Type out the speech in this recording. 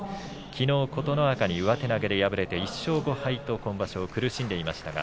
きのう琴ノ若に上手投げで敗れて１勝５敗と今場所、苦しんでいました。